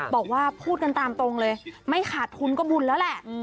บอกว่าพูดกันตามตรงเลยไม่ขาดทุนก็บุญแล้วแหละ